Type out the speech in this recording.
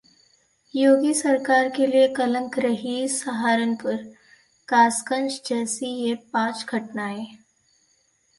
योगी सरकार के लिए कलंक रहीं सहारनपुर, कासगंज जैसी ये पांच घटनाएं